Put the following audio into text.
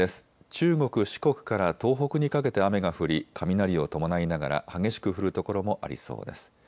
中国・四国から東北にかけて雨が降り雷を伴いながら激しく降る所もありそうです。